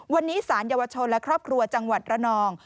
วันนี้สารเยาวชนและครอบครัวจังหวัดระนอง